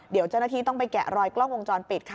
เดี๋ยวเจ้าหน้าที่ต้องไปแกะรอยกล้องวงจรปิดค่ะ